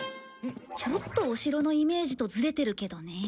ちょっとお城のイメージとずれてるけどね。